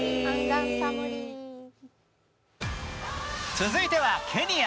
続いてはケニア。